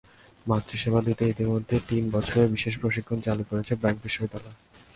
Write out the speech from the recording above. মাতৃসেবা দিতে ইতিমধ্যে তিন বছরের বিশেষ প্রশিক্ষণ চালু করেছে ব্র্যাক বিশ্ববিদ্যালয়।